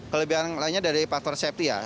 kelebihan yang lainnya dari faktor safety